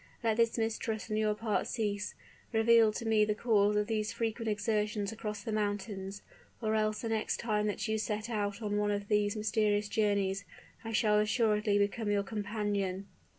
Let this mistrust on your part cease. Reveal to me the cause of these frequent excursions across the mountains; or else the next time that you set out on one of these mysterious journeys, I shall assuredly become your companion."